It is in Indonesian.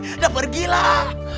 udah pergi lah